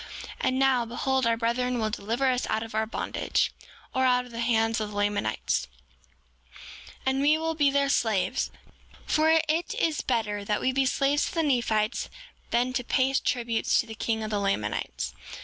And now, behold, our brethren will deliver us out of our bondage, or out of the hands of the Lamanites, and we will be their slaves; for it is better that we be slaves to the Nephites than to pay tribute to the king of the Lamanites.